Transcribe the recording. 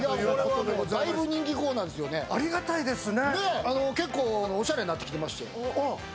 ありがたいですね。